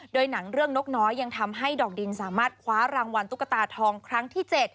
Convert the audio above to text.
โดยหนังเรื่องนกน้อยยังทำให้ดอกดินสามารถคว้ารางวัลตุ๊กตาทองครั้งที่๗